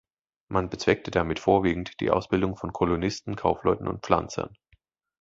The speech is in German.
Man bezweckte damit vorwiegend die Ausbildung von Kolonisten, Kaufleuten und Pflanzern.